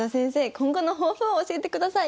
今後の抱負を教えてください。